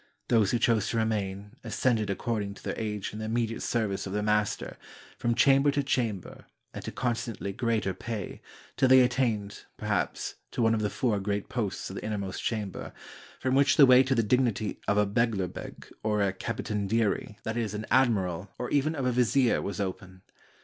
Those who chose to remain, ascended, according to their age in the immediate service of their master, from cham ber to chamber, and to constantly greater pay, till they attained, perhaps, to one of the four great posts of the innermost chamber, from which the way to the dignity of a heglcrbeg, or a capitan deiri (that is, an admiral), or even of a vizier, was open.